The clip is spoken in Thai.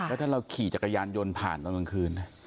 แล้วถ้าเราขี่จักรยานยนต์ผ่านตอนกลางคืน